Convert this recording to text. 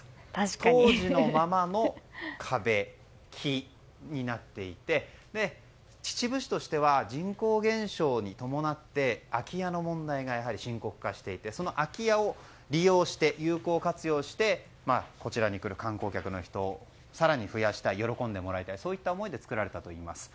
当時のままの壁、木になっていて秩父市としては人口減少に伴って空家の問題がやはり深刻化していてその空き家を利用して有効活用してこちらに来る観光客の人を更に増やしたい喜んでもらいたいそういった思いで作られたといいます。